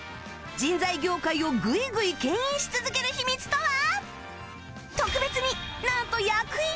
人材業界をグイグイけん引し続ける秘密とは？